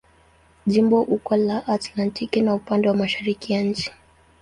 Jimbo uko la Atlantiki na upande wa mashariki ya nchi.